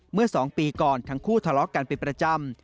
เมื่อ๒ปีก่อนทั้งคู่ทะเลาะกันเป็นประจำ